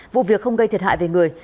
vụ việc không gây thiệt hại về người